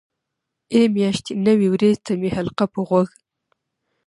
ای میاشتې نوې وریځ ته مې حلقه په غوږ.